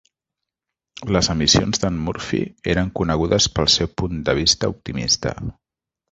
Les emissions d'en Murphy eren conegudes pel seu punt de vista optimista.